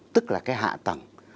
tức là hạ tầng